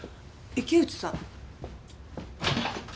池内さん。